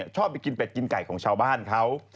ชอบไปกินเป็ดกินไก่ของชาวบ้านเขา